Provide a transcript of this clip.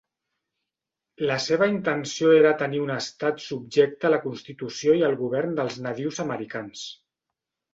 La seva intenció era tenir un estat subjecte a la constitució i el govern dels nadius americans.